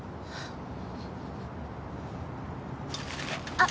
あっ！